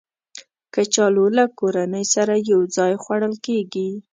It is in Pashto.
کچالو له کورنۍ سره یو ځای خوړل کېږي